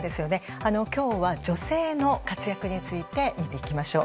今日は女性の活躍について見ていきましょう。